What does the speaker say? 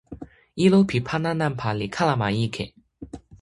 ilo pi pana nanpa li kalama ike.